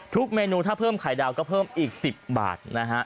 เมนูถ้าเพิ่มไข่ดาวก็เพิ่มอีก๑๐บาทนะฮะ